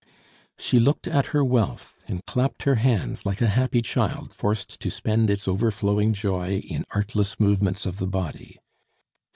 She looked at her wealth and clapped her hands like a happy child forced to spend its overflowing joy in artless movements of the body.